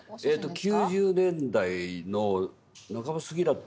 ９０年代の半ばすぎだった。